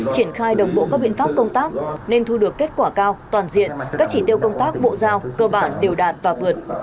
triển khai đồng bộ các biện pháp công tác nên thu được kết quả cao toàn diện các chỉ tiêu công tác bộ giao cơ bản đều đạt và vượt